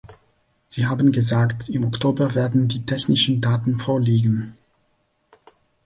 Sie haben gesagt, im Oktober werden die technischen Daten vorliegen.